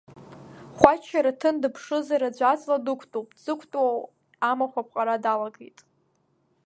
Хәаџь Шьараҭын дыԥшызар, аӡә аҵла дықәтәоуп, дзықәтәоу амахә аԥҟара далагет.